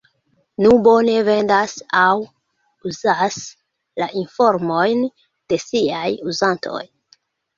Nubo ne vendas aŭ uzas la informojn de siaj uzantoj.